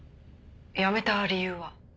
辞めた理由は？